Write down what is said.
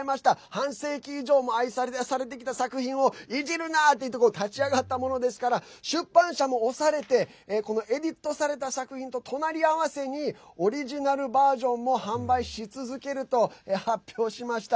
半世紀以上も愛されてきた作品をいじるな！って言って立ち上がったものですから出版社も押されてこのエディットされた作品と隣り合わせにオリジナルバージョンも販売し続けると発表しました。